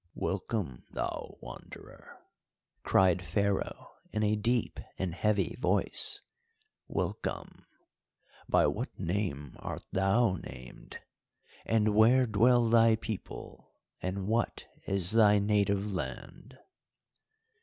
"Welcome, thou Wanderer," cried Pharaoh, in a deep and heavy voice, "welcome! By what name art thou named, and where dwell thy people, and what is thy native land?"